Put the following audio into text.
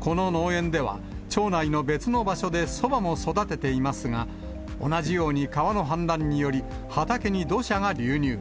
この農園では、町内の別の場所でそばも育てていますが、同じように川の氾濫により、畑に土砂が流入。